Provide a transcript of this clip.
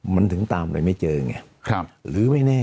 มันถึงตามไปไม่เจอไงหรือไม่แน่